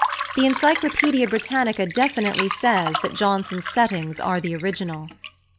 The Encyclopaedia Britannica definitely says that Johnson's settings are the original.